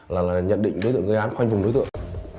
là nhận định đối tượng gây án khoanh vùng đối tượng